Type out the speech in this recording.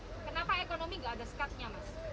kenapa ekonomi tidak ada sekatnya